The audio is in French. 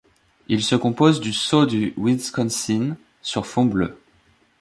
Il se compose du Sceau du Wisconsin sur fond bleu.